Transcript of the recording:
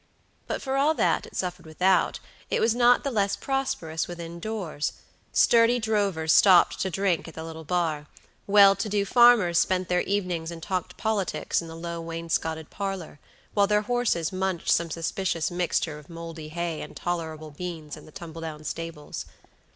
But for all that it suffered without, it was not the less prosperous within doors. Sturdy drovers stopped to drink at the little bar; well to do farmers spent their evenings and talked politics in the low, wainscoted parlor, while their horses munched some suspicious mixture of moldy hay and tolerable beans in the tumble down stables.